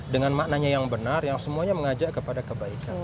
dengan maknanya yang benar yang semuanya mengajak kepada kebaikan